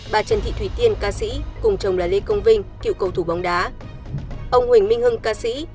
bà trần thị thủy tiên ca sĩ cùng chồng là lê công vinh cựu cầu thủ bóng đá ông huỳnh minh hưng ca sĩ